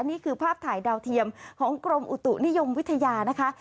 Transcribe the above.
นี่คือภาพถ่ายดาวเทียมของกรมอุตุนิยมวิทยานะคะ